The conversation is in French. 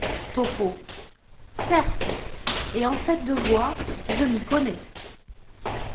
Topeau ,— Certes ! et en fait de voix, je m’y connais !